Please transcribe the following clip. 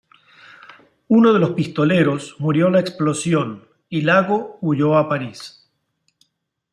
Uno de los pistoleros murió en la explosión y Lago huyó a París.